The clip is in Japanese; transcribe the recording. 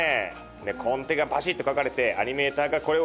でコンテがパシッと描かれてアニメーターがこれを動かしてる。